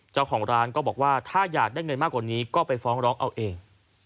เจ้าของร้านก็บอกว่าถ้าอยากได้เงินมากกว่านี้ก็ไปฟ้องร้องเอาเอง